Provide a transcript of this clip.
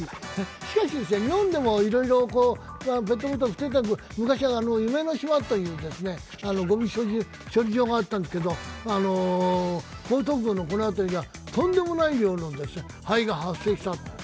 しかし、日本でもいろいろペットボトルを捨てていて、昔は夢の島という、ごみ処理場があったんですけれども江東区のこの辺りではとんでもない量のはえが発生したんです。